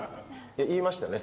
言いましたよね